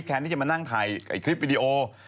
แทนที่จะมานั่งถ่ายคลิปวิดีโอ